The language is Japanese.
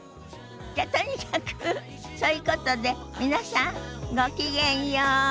じゃとにかくそういうことで皆さんごきげんよう。